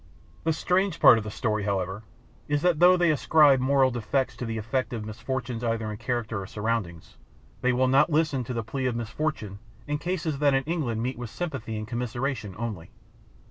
The strange part of the story, however, is that though they ascribe moral defects to the effect of misfortune either in character or surroundings, they will not listen to the plea of misfortune in cases that in England meet with sympathy and commiseration only.